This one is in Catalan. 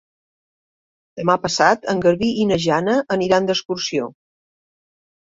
Demà passat en Garbí i na Jana aniran d'excursió.